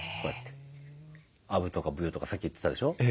アブとかブヨとかさっき言ってたでしょ。